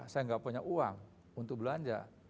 saya nggak punya uang untuk belanja